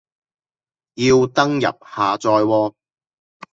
要登入下載喎